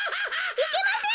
いけません！